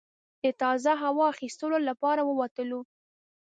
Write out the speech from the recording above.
د تازه هوا اخیستلو لپاره ووتلو.